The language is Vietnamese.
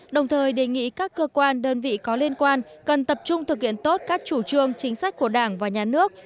đồng thời đề nghị các cơ quan đơn vị có liên quan cần tập trung thực hiện tốt các chủ trương chính sách của đảng và nhà nước